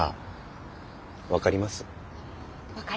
分かりますよ。